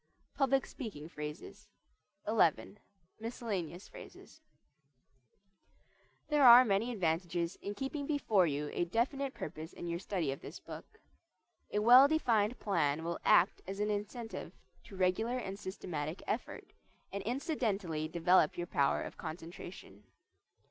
PUBLIC SPEAKING PHRASES XI. MISCELLANEOUS PHRASES There are many advantages in keeping before you a definite purpose in your study of this book. A well defined plan will act as an incentive to regular and systematic effort, and incidentally develop your power of concentration.